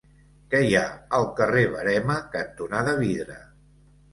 Què hi ha al carrer Verema cantonada Vidre?